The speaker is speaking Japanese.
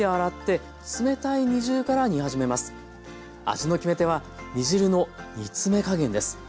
味の決め手は煮汁の煮詰め加減です。